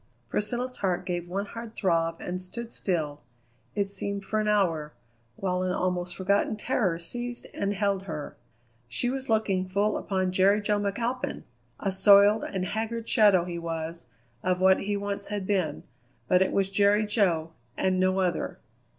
Priscilla's heart gave one hard throb and stood still, it seemed for an hour, while an almost forgotten terror seized and held her. She was looking full upon Jerry Jo McAlpin! A soiled and haggard shadow he was of what he once had been, but it was Jerry Jo and no other.